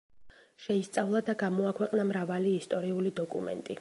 შეისწავლა და გამოაქვეყნა მრავალი ისტორიული დოკუმენტი.